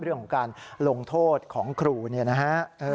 เรื่องของการลงโทษของครูเนี่ยนะฮะ